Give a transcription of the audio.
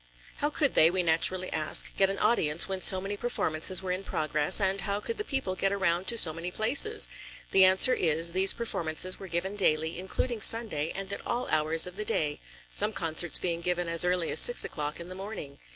How could they, we naturally ask, get an audience, when so many performances were in progress, and how could the people get around to so many places? The answer is: these performances were given daily, including Sunday, and at all hours of the day, some concerts being given as early as six o'clock in the morning.